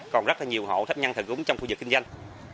còn rất nhiều hộ thấp nhăn thật đúng trong khu vực kinh doanh